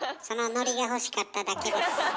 そのノリが欲しかっただけです。